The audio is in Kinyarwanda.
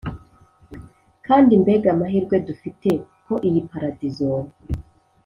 kandi mbega amahirwe dufite ko iyi paradizo,